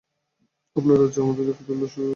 আপনার রাজ্যে আমাদের একদল দুষ্ট যুবক আশ্রয় নিয়েছে।